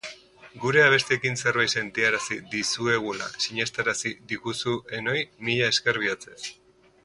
Gure abestiekin zerbait sentiarazi dizuegula sinestarazi diguzuenoi, mila esker bihotzez.